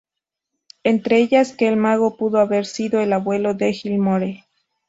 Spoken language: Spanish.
Entre ellas, que el mago pudo haber sido el abuelo de Gilmore.